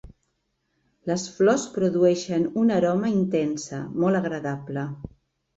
Les flors produeixen una aroma intensa, molt agradable.